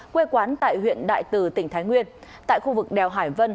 quê quán tại huyện đại từ tỉnh thái nguyên tại khu vực đèo hải vân